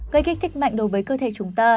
gây kích thích mạnh đối với cơ thể chúng ta